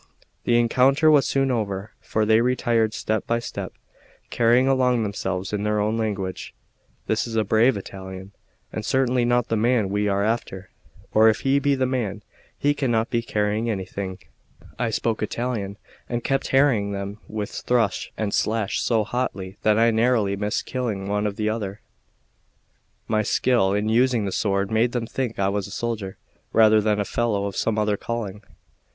The encounter was soon over; for they retired step by step, saying among themselves in their own language: "This is a brave Italian, and certainly not the man we are after; or if he be the man, he cannot be carrying anything." I spoke Italian, and kept harrying them with thrust and slash so hotly that I narrowly missed killing one or the other. My skill in using the sword made them think I was a soldier rather than a fellow of some other calling.